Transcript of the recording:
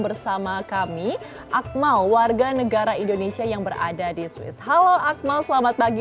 bersama kami akmal warga negara indonesia yang berada di swiss halo akmal selamat pagi